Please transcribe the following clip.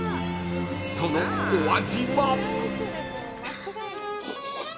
［そのお味は？］